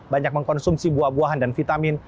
banyak mengkonsumsi buah buahan dan vitamin